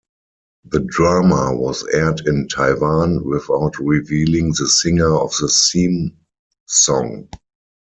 The drama was aired in Taiwan without revealing the singer of the theme song.